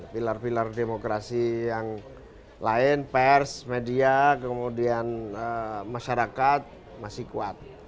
pilar pilar demokrasi yang lain pers media kemudian masyarakat masih kuat